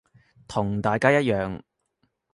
同大家一樣